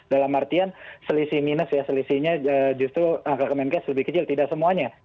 dalam artian selisih minus ya selisihnya justru angka kemenkes lebih kecil tidak semuanya